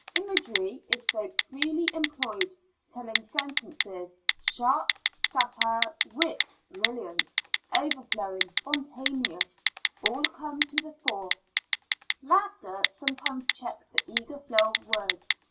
Imagery is so freely employed; telling sentences, sharp satire, wit brilliant, overflowing, spontaneous all come to the fore. Laughter sometimes checks the eager flow of words.